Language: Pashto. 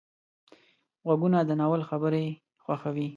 غوږونه د ناول خبرې خوښوي